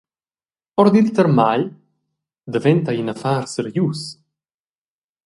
Ord il termagl davent’ei in affar serius.